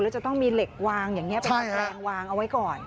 แล้วจะต้องมีเหล็กวางอย่างนี้เป็นตะแกรงวางเอาไว้ก่อน